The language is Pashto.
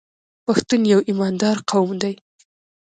پښتون یو ایماندار قوم دی.